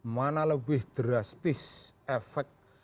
mana lebih drastis efek